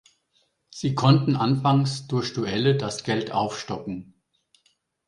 Sie konnten anfangs durch Duelle das Geld aufstocken.